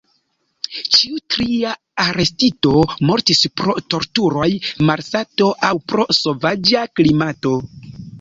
Ĉiu tria arestito mortis pro torturoj, malsato aŭ pro sovaĝa klimato.